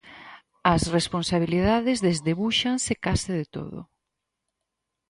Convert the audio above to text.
As responsabilidades desdebúxanse case de todo.